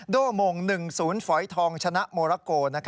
โด่อมง๑ศูนย์ฝอยทองชนะโมราโก